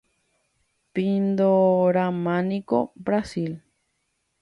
Pindorámaniko Brasil.